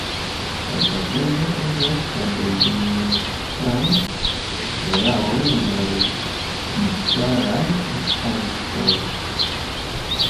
Lastatempe uzas la regnestran eraon nur la registaraj instancoj.